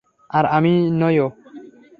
আর আমি নইও।